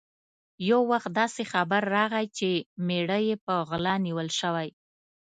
یو وخت داسې خبر راغی چې مېړه یې په غلا نیول شوی.